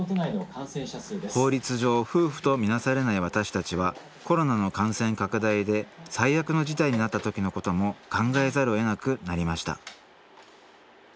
法律上夫婦とみなされない私たちはコロナの感染拡大で最悪の事態になった時のことも考えざるをえなくなりました